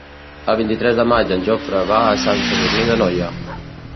El vint-i-tres de maig en Jofre va a Sant Sadurní d'Anoia.